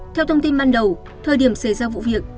theo thông tin ban đầu thời điểm xảy ra vụ việc